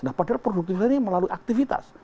nah padahal produktivitas ini melalui aktivitas